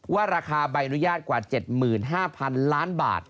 ว่าราคาใบอนุญาตกว่า๗๕๐๐๐ล้านบาท